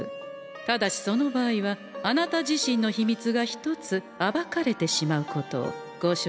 ただしその場合はあなた自身の秘密が１つ暴かれてしまうことをご承知おきくださんせ。